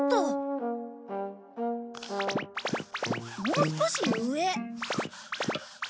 もう少し上。